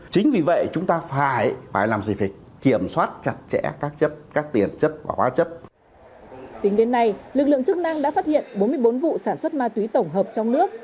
tính đến nay lực lượng chức năng đã phát hiện bốn mươi bốn vụ sản xuất ma túy tổng hợp trong nước